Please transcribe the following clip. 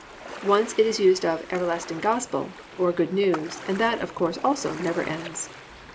Once it is used of "everlasting gospel" (or good news) and that, of course, also never ends.